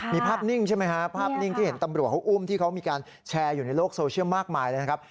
มีภาพนิ่งใช่ไหมครับภาพนิ่งที่เห็นตำรวจเขาอุ้มที่เขามีการแชร์อยู่ในโลกโซเชียลมากมายเลยนะครับ